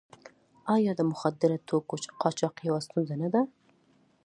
آیا د مخدره توکو قاچاق یوه ستونزه نه ده؟